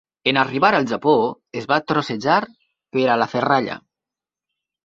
En arribar al Japó, es va trossejar per a la ferralla.